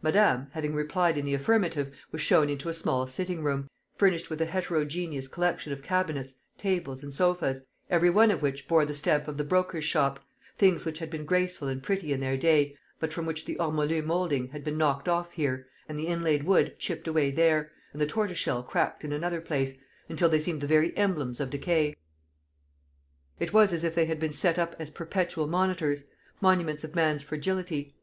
Madame, having replied in the affirmative, was shown into a small sitting room, furnished with a heterogeneous collection of cabinets, tables, and sofas, every one of which bore the stamp of the broker's shop things which had been graceful and pretty in their day, but from which the ormolu moulding had been knocked off here, and the inlaid wood chipped away there, and the tortoiseshell cracked in another place, until they seemed the very emblems of decay. It was as if they had been set up as perpetual monitors monuments of man's fragility.